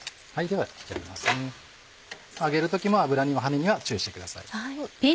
揚げる時も油の跳ねには注意してください。